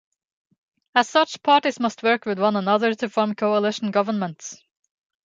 As such, parties must work with one another to form coalition governments.